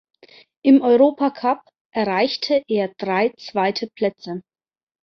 Im Europacup erreichte er drei zweite Plätze.